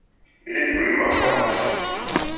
Érzù é màkpá.